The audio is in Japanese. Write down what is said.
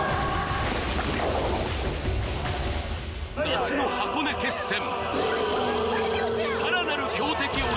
夏の箱根決戦